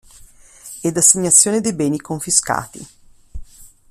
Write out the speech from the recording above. Ed assegnazione dei beni confiscati.